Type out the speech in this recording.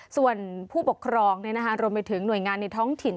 ส่วนผู้ปกครองรวมไปถึงหน่วยงานในท้องถิ่น